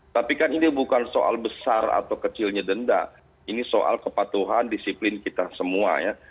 tapi kan ini bukan soal besar atau kecilnya denda ini soal kepatuhan disiplin kita semua ya